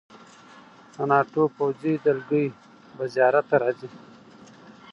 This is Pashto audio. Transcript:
د ناټو پوځي دلګۍ به زیارت ته راځي.